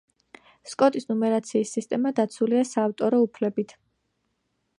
სკოტის ნუმერაციის სისტემა დაცულია საავტორო უფლებით.